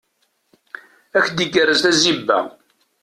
Ad ak-d-igerrez tazziba.